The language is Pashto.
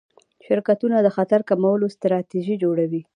شرکتونه د خطر کمولو ستراتیژي جوړوي.